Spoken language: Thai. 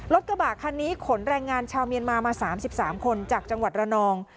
รถกระบะคันนี้ขนแรงงานชาวเมียนมามา๓๓คนจากจังหวัดระนอง